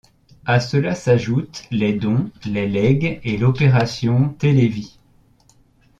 À cela s'ajoutent les dons, les legs et l'opération Télévie.